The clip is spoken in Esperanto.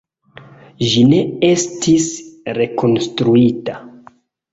Ĝi ne estis rekonstruita.